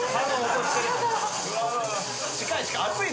近い近い。